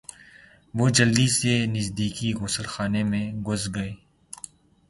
وہ جلدی سے نزدیکی غسل خانے میں گھس گئی۔